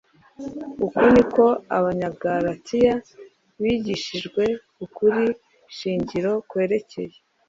Uko niko abanyagalatiya bigishijwe ukuri shingiro kwerekeye,